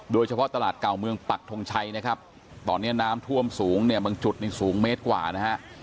ตลาดเก่าเมืองปักทงชัยนะครับตอนนี้น้ำท่วมสูงเนี่ยบางจุดนี่สูงเมตรกว่านะฮะ